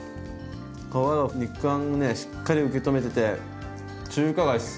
皮が肉あんをねしっかり受け止めてて中華街っす。